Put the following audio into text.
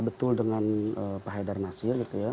betul dengan pak haidar nasir